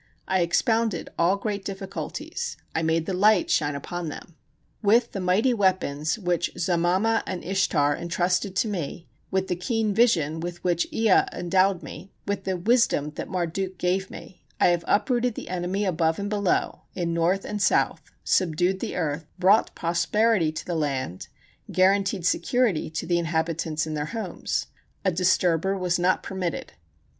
I expounded all great difficulties, I made the light shine upon them. With the mighty weapons which Zamama and Ishtar intrusted to me, with the keen vision with which Ea endowed me, with the wisdom that Marduk gave me, I have uprooted the enemy above and below [in north and south], subdued the earth, brought prosperity to the land, guaranteed security to the inhabitants in their homes; a disturber was not permitted.